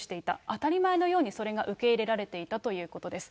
当たり前のようにそれが受け入れられていたということです。